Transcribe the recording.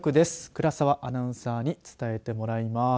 倉沢アナウンサーに伝えてもらいます。